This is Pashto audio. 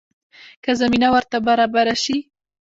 که زمینه ورته برابره شي.